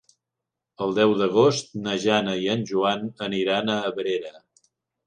El deu d'agost na Jana i en Joan aniran a Abrera.